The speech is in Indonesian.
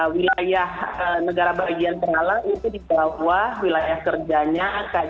wilayah negara bagian tengah itu di bawah wilayah kerjanya